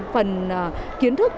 phần kiến thức